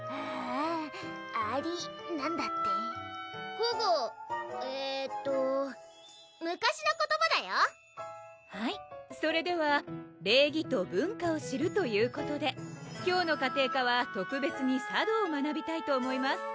古語えっと昔の言葉だよはいそれでは礼儀と文化を知るということで今日の家庭科は特別に茶道を学びたいと思います